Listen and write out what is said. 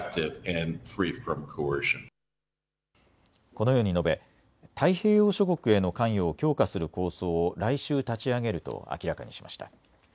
このように述べ太平洋諸国への関与を強化する構想を来週、立ち上げると明らかにしました。